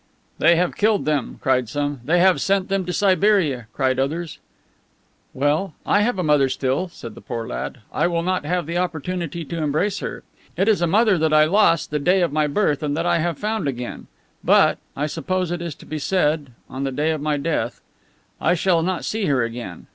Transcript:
"They have killed them," cried some. "They have sent them to Siberia," cried others. "Well, I have a mother still," said the poor lad. "I will not have the opportunity to embrace her. It is a mother that I lost the day of my birth and that I have found again, but I suppose it is to be said on the day of my death. I shall not see her again.